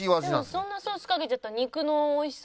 でもそんなソースかけちゃったら肉のおいしさとか。